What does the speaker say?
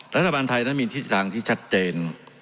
รัฐบาลไทยนั้นมีทิศทางที่ชัดเจน